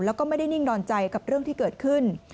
แล้วก็ไม่ได้นิ่งนอนใจกับเรื่องที่เกิดขึ้น